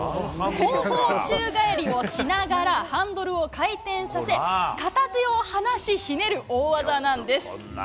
後方宙返りをしながらハンドルを回転させ、片手を離しひねる大技なんです。